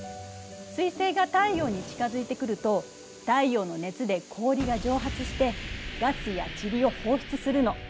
彗星が太陽に近づいてくると太陽の熱で氷が蒸発してガスや塵を放出するの。